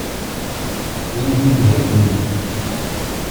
Ad iyi-t-id-heggin?